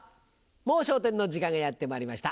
『もう笑点』の時間がやってまいりました。